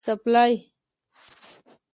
🩴څپلۍ